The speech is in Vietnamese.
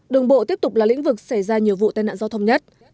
đường bộ tiếp tục là lĩnh vực xảy ra nhiều vụ tai nạn giao thông nhất